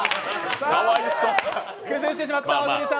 崩してしまった、小栗さん